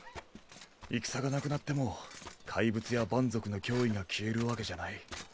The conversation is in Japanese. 戦がなくなっても怪物や蛮族の脅威が消えるわけじゃない。